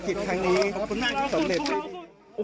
ดูสิคะแต่ละคนกอดคอกันหลั่นน้ำตา